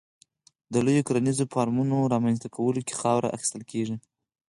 د لویو کرنیزو فارمونو رامنځته کولو کې خاوره اخیستل کېږي.